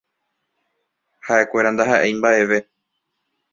Haʼekuéra ndahaʼéi mbaʼeve.